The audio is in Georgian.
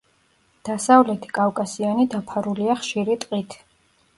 დასავლეთი კავკასიონი დაფარულია ხშირი ტყით.